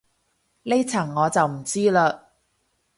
呢層我就唔知嘞